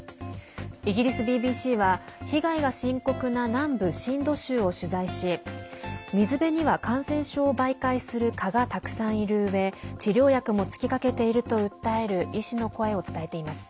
イギリスＢＢＣは被害が深刻な南部シンド州を取材し水辺には感染症を媒介する蚊がたくさんいるうえ治療薬も尽きかけていると訴える医師の声を伝えています。